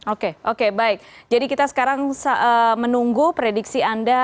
oke oke baik jadi kita sekarang menunggu prediksi anda